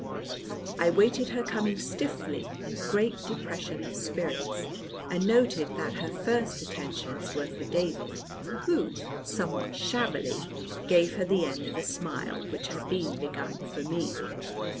I waited her coming stiffly, in great depression of spirits, and noted that her first attentions were for David, who, somewhat shabbily, gave her the end of a smile which had been begun for me.